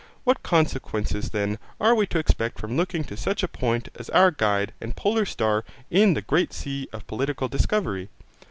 What consequences then are we to expect from looking to such a point as our guide and polar star in the great sea of political discovery?